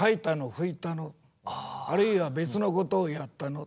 あるいは別のことをやったの？